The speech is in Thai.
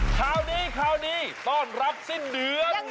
คราวนี้คราวนี้ต้อนรับสิ้นเดือน